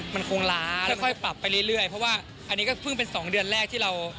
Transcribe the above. มันคงล้าแล้วค่อยปรับไปเรื่อยเพราะว่าอันนี้ก็เพิ่งเป็น๒เดือนแรกที่เรา